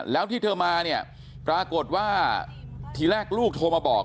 แล้วที่เธอมาเนี่ยปรากฏว่าทีแรกลูกโทรมาบอก